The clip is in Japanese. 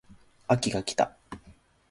秋が来た